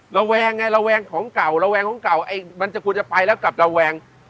ระแวงไงระแวงของเก่าระแวงของเก่าไอ้มันจะควรจะไปแล้วกลับระแวง